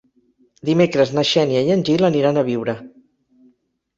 Dimecres na Xènia i en Gil aniran a Biure.